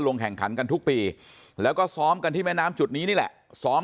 ลงแข่งขันกันทุกปีแล้วก็ซ้อมกันที่แม่น้ำจุดนี้นี่แหละซ้อม